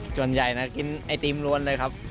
ส่วนใหญ่นะกินไอติมล้วนเลยครับ